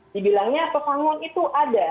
dibilangnya pesangon itu ada